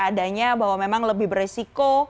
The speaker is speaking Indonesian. adanya bahwa memang lebih beresiko